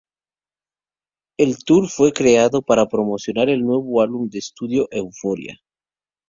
El tour fue creado para promocionar el noveno álbum de estudio, "Euphoria".